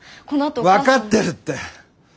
このあとお母さんの。分かってるって！